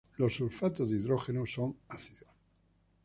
Los sulfatos de hidrógeno son ácidos.